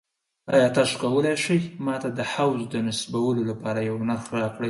ایا تاسو کولی شئ ما ته د حوض د نصبولو لپاره یو نرخ راکړئ؟